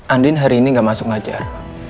andin hari ini gak masuk ngajar